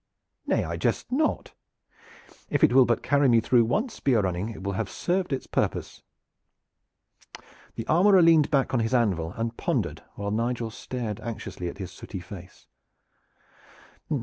"Nay, I jest not. If it will but carry me through one spear running it will have served its purpose." The armorer leaned back on his anvil and pondered while Nigel stared anxiously at his sooty face.